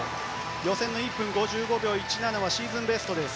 予選が１分５５秒１７はシーズンベストです。